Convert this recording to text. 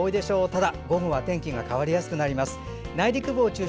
ただ、午後は天気が変わりやすくなります。